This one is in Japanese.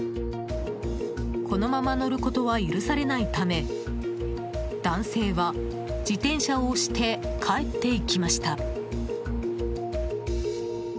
このまま乗ることは許されないため男性は自転車を押して帰っていきました。